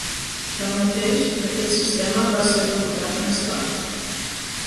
Tanmateix, aquest sistema va ser abandonat més tard.